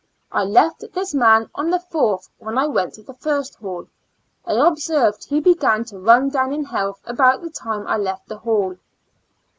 I left this man on the fourth when I went to the first hall. I observed he began to run down in health about the time I left the hall.